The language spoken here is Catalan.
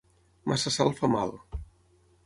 Massa sal fa mal.